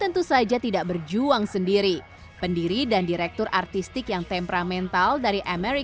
intrik antara claire dengan direktur artistik yang diperankan ben daniels